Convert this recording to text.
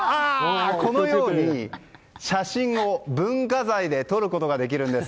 このように写真を文化財で撮ることができるんです。